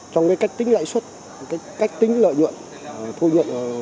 trong cách tính lãi xuất cách tính lợi nhuận